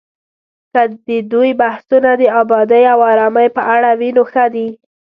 که د دوی بحثونه د ابادۍ او ارامۍ په اړه وي، نو ښه دي